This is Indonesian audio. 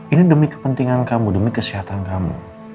ini demi kepentingan kamu demi kesehatan kamu